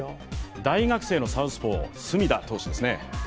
大学生のサウスポー、隅田投手ですね。